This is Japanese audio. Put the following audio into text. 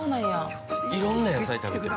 いろんな野菜食べてる。